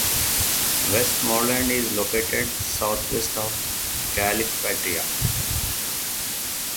Westmorland is located southwest of Calipatria.